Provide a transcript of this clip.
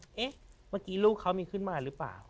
เมื่อกี้ลูกเขามีขึ้นมาหรือเปล่า